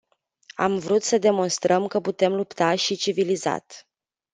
Am vrut să demonstrăm că putem lupta și civilizat.